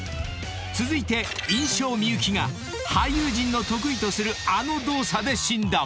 ［続いて印象美有姫が俳優陣の得意とするあの動作で診断］